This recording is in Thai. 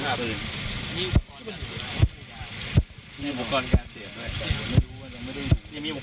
อุวัมอุวัมอุวัมอุวัมอุวัมอุวัมอุวัมอุวัมอุวัมอุวัมอุวัม